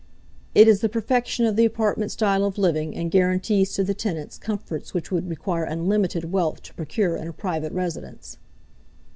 It is the perfection of the apartment style of living, and guarantees to the tenants comforts which would require unlimited wealth to procure in a private residence.